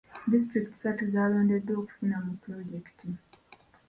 Disitulikiti ssatu zaalondeddwa okufuna mu pulojekiti.